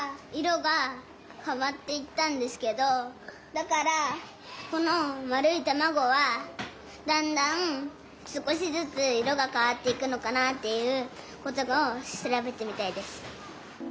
だからこの丸いたまごはだんだん少しずつ色がかわっていくのかなっていうことを調べてみたいです。